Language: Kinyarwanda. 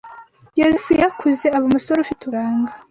Yozefu yarakuze aba umusore ufite uburanga